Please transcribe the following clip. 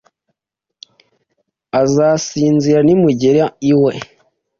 Azasinzira nimugera iwe.